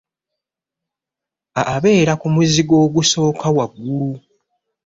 Abeera ku muzigo ogusooka wagulu.